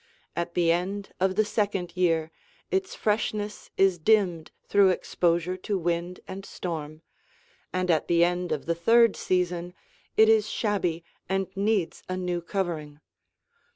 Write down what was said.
At the end of the second year, its freshness is dimmed through exposure to wind and storm, and at the end of the third season, it is shabby and needs a new covering.